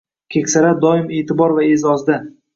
Keksalar doimo e’tibor va e’zozda